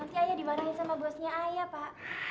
nanti ayah dimarahin sama bosnya ayah pak